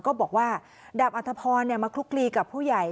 ก็บอกว่าดาบอัธพรมาคลุกลีกับผู้ใหญ่